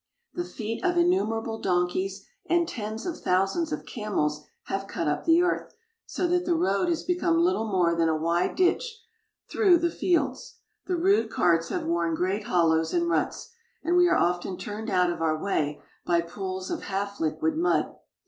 The feet of innumerable donkeys and tens of thousands of camels have cut up the earth, so that the road has become Httle more than a wide ditch through the fields. The rude carts have worn great hollows and ruts, and we are often turned out of our way by pools of half liquid mud.